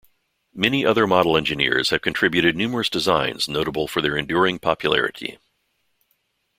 Many other model engineers have contributed numerous designs notable for their enduring popularity.